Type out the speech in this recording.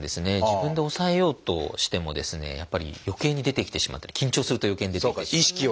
自分で抑えようとしてもやっぱりよけいに出てきてしまったり緊張するとよけいに出てきてしまったり。